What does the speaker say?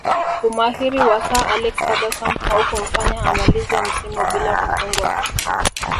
Umahiri wa Sir Alex Ferguson haukumfanya amalize msimu bila kufungwa